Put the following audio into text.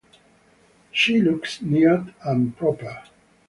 She looks neat and proper.